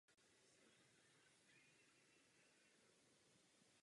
Obsah a řídící systém by měly být důsledně odděleny.